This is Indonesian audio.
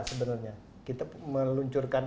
sebenarnya kita meluncurkan